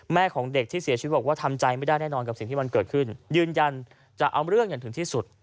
ของเด็กที่เสียชีวิตบอกว่าทำใจไม่ได้แน่นอนกับสิ่งที่มันเกิดขึ้นยืนยันจะเอาเรื่องอย่างถึงที่สุด